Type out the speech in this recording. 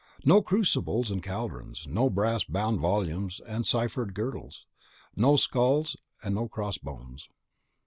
No crucibles and caldrons, no brass bound volumes and ciphered girdles, no skulls and cross bones.